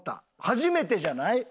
初めてじゃない？